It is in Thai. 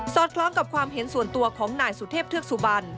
คล้องกับความเห็นส่วนตัวของนายสุเทพเทือกสุบัน